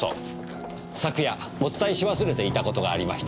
昨夜お伝えし忘れていたことがありました。